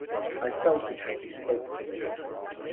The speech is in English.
I felt it as he spoke to me.